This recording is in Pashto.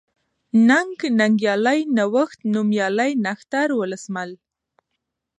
ننگ ، ننگيالی ، نوښت ، نوميالی ، نښتر ، ولسمل